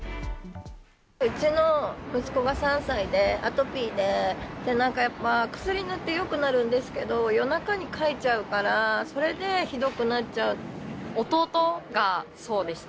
うちの息子が３歳で、アトピーで、なんかやっぱ、薬塗ってよくなるんですけど、夜中にかいちゃうから、それでひ弟がそうでした。